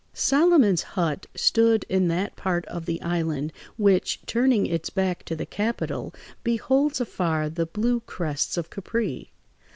Solomon's hut stood in that part of the island which, turning its back to the capital, beholds afar the blue crests of Capri.